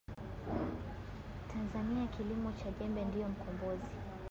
Tanzania kilimo cha Jembe ndio mkombozi